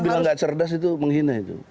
bilang nggak cerdas itu menghina itu